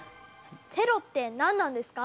テロって何なんですか？